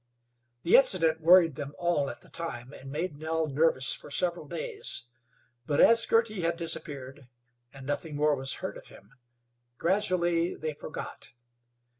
The incident worried them all at the time, and made Nell nervous for several days; but as Girty had disappeared, and nothing more was heard of him, gradually they forgot.